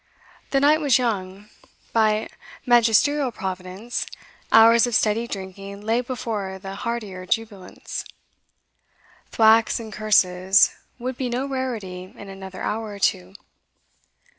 The night was young; by magisterial providence, hours of steady drinking lay before the hardier jubilants. Thwacks and curses would be no rarity in another hour or two.